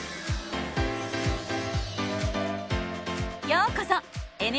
ようこそ！